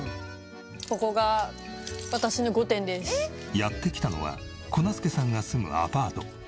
やって来たのは粉すけさんが住むアパート。